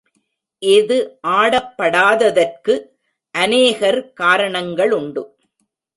இது ஆடப்படாததற்கு அநேகர் காரணங்களுண்டு.